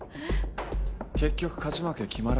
結局勝ち負け決まらずだ。